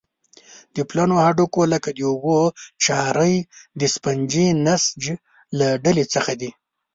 د پلنو هډوکو لکه د اوږو چارۍ د سفنجي نسج له ډلې څخه دي.